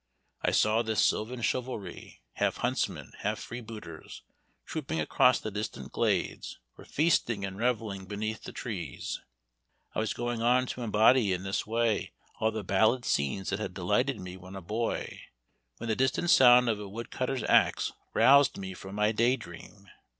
I saw this sylvan chivalry, half huntsmen, half freebooters, trooping across the distant glades, or feasting and revelling beneath the trees; I was going on to embody in this way all the ballad scenes that had delighted me when a boy, when the distant sound of a wood cutter's axe roused me from my day dream.